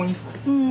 うん。